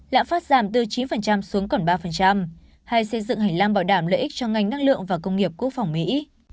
lạm phát giảm từ chín xuống còn ba hay xây dựng hành lang bảo đảm lợi ích cho ngành năng lượng và công nghiệp quốc phòng mỹ